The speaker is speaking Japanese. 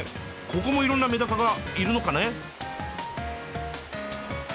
ここもいろんなメダカがいるのかね？